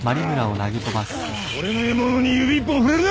俺の獲物に指一本触れるな！